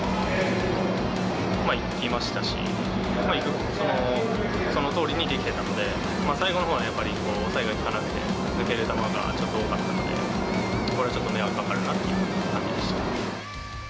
試合前に立てたプランどおりにいきましたし、そのとおりにできてたので、最後のほうは抑えが利かなくて、抜ける球がちょっと多かったので、これはちょっと迷惑かかるなって感じでしたね。